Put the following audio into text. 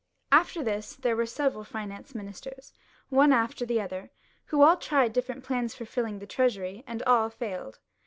After this there were several finance ministers, one after the other, who all tried different plans for filling the treasury, and all failed.